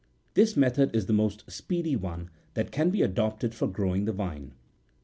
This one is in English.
This method is the most speedy one that can be adopted for growing the vine.